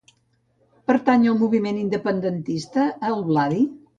Pertany al moviment independentista el Bladi?